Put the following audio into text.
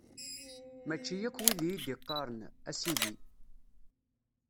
Mačči akk wid i yi-d-iqqaren: A Sidi!